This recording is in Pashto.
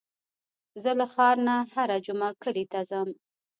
زه له ښار نه هره جمعه کلي ته ځم.